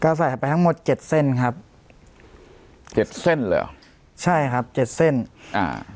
ก็ใส่ไปทั้งหมดเจ็ดเส้นครับเจ็ดเส้นเหรอใช่ครับเจ็ดเส้นอ่า